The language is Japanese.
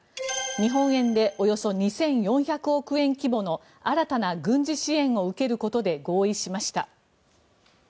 日本円でおよそ２４００億円規模の新たな軍事支援を受けることで合意しました。